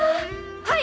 はい！